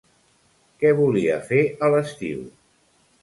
Què volia fer a l'estiu?